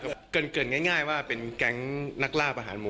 โฮ้ยยยยยยก็เพิ่มเป้นแบบที่นาฬาบการ